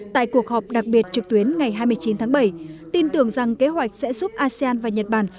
tại cuộc họp đặc biệt trực tuyến ngày hai mươi chín tháng bảy tin tưởng rằng kế hoạch sẽ giúp asean và nhật bản